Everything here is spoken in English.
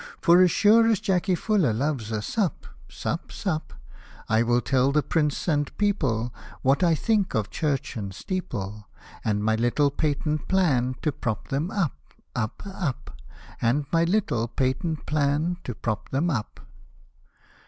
For as sure as J — cky F — 11 — r loves a sup, sup, sup, I will tell the Prince and People What I think of Church and Steeple, And my little patent plan to prop them up, up, up, And my little patent plan to prop them up.'